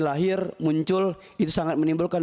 lahir muncul itu sangat menimbulkan